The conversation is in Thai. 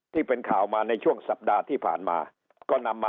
ที่เป็นข่าวมาในช่วงสัปดาห์ที่ผ่านมาก็นำมา